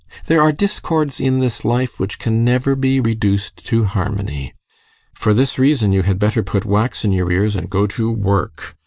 There are discords in this life which can never be reduced to harmony. For this reason you had better put wax in your ears and go to work.